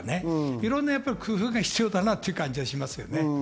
いろんな工夫が必要だなっていう感じがしますね。